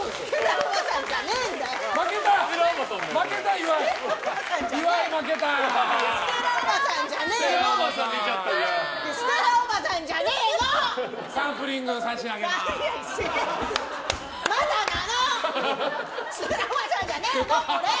ステラおばさんじゃねーの、これ。